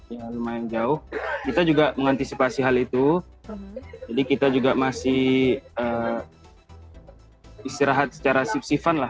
ya lumayan jauh kita juga mengantisipasi hal itu jadi kita juga masih istirahat secara sif sifan lah